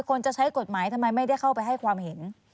คนจะใช้กฎหมายทำไมไม่ได้เข้าไปให้ความเห็น